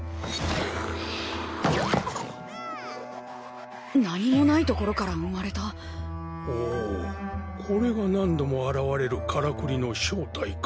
アハッ何もない所から生まれた⁉ほうこれが何度も現れるからくりの正体か。